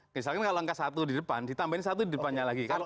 misalkan kalau angka satu di depan ditambahin satu di depannya lagi